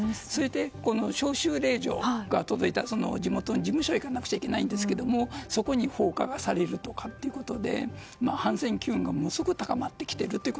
この招集令状が届いたら事務所に行かなきゃいけないんですがそこに放火がされるとか反戦機運がものすごく高まってきています。